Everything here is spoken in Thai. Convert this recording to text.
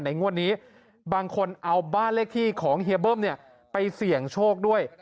งวดนี้บางคนเอาบ้านเลขที่ของเฮียเบิ้มเนี่ยไปเสี่ยงโชคด้วย